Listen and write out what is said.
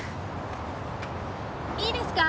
いいですか？